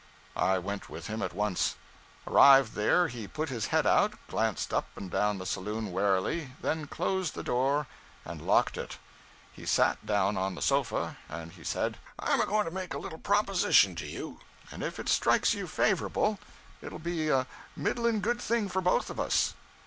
I went with him at once. Arrived there, he put his head out, glanced up and down the saloon warily, then closed the door and locked it. He sat down on the sofa, and he said 'I'm a going to make a little proposition to you, and if it strikes you favorable, it'll be a middling good thing for both of us.